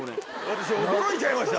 私驚いちゃいました。